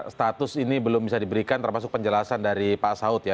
status ini belum bisa diberikan termasuk penjelasan dari pak saud ya